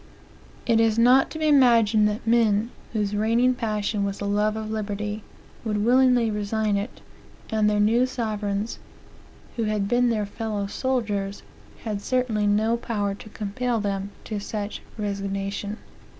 It is not to be imagined that men, whose reigning passion was the love of liberty, would willingly resign it; and their new sovereigns, who had been their fellow soldiers, had certainly no power to compel them to such a resignation."